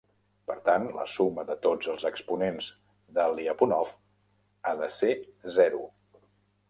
Per tant, la suma de tots els exponents de Lyapunov ha de ser zero.